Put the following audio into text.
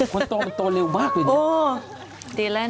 คนโตโตเร็วมากเลย